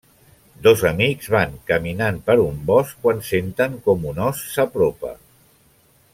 Dos amics van caminant per un bosc quan senten com un ós s'apropa.